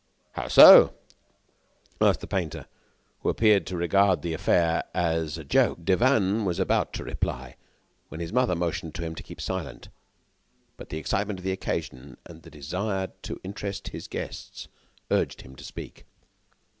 "How so?" asked the painter, who appeared to regard the affair as a joke. Devanne was about to reply, when his mother mentioned to him to keep silent, but the excitement of the occasion and a desire to interest his guests urged him to speak.